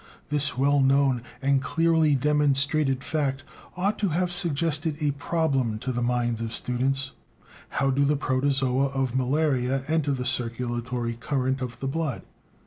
This well known and clearly demonstrated fact ought to have suggested a problem to the minds of students: How do the protozoa of malaria enter the circulatory current of the blood?